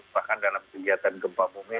bahkan dalam kegiatan gempa bumi